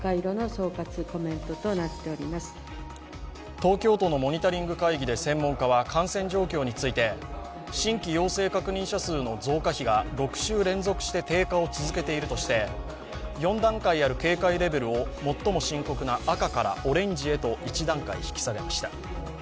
東京都のモニタリング会議で専門家は感染状況について新規陽性確認者数の増加比が６週連続して低下を続けているとして、４段階ある警戒レベルを最も深刻な赤からオレンジへと１段階引き下げました。